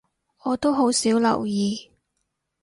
我都好少留意